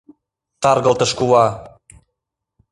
Таргылтыш кува!